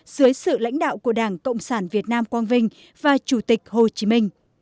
dưới sự lãnh đạo của đảng cộng sản việt nam quang vinh và chủ tịch hồ chí minh